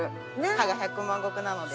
加賀百万石なので。